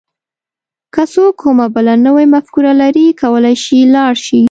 که څوک کومه بله نوې مفکوره لري کولای شي لاړ شي.